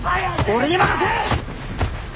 俺に任せえ！